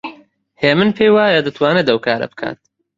هێمن پێی وایە دەتوانێت ئەو کارە بکات.